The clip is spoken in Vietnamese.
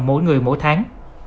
mỗi người mỗi tháng